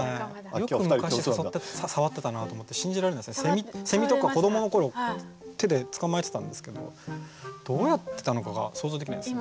よく昔触ってたなと思って信じられないですね。とか子どもの頃手で捕まえてたんですけどどうやってたのかが想像できないです。